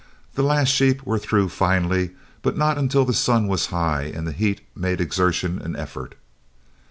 The last sheep was through finally, but not until the sun was high and the heat made exertion an effort.